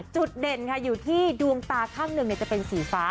จุดเด่นค่ะอยู่ที่ดวงตาข้างหนึ่งจะเป็นสีฟ้า